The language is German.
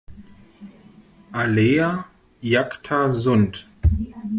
Alea jacta sunt.